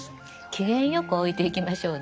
機嫌よく老いていきましょうね。